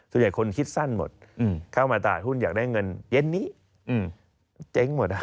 ส่วนใหญ่คนคิดสั้นหมดเข้ามาตลาดหุ้นอยากได้เงินเย็นนี้เจ๊งหมด